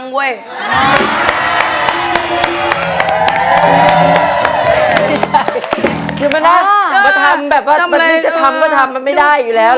ก็ไม่ได้